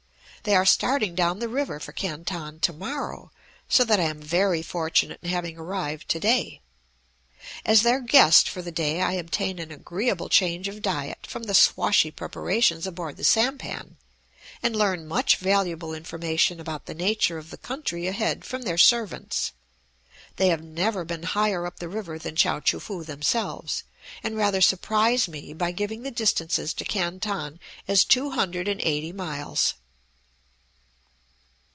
They are starting down the river for Canton to morrow, so that I am very fortunate in having arrived today. As their guest for the day I obtain an agreeable change of diet from the swashy preparations aboard the sampan, and learn much valuable information about the nature of the country ahead from their servants. They have never been higher up the river than Chao choo foo themselves, and rather surprise me by giving the distances to Canton as two hundred and eighty miles.